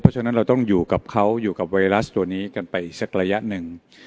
เพราะฉะนั้นเราต้องอยู่กับเขาอยู่กับไวรัสตัวนี้กันไปอีกสักระยะหนึ่ง